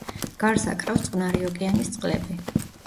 გარს აკრავს წყნარი ოკეანის წყლები.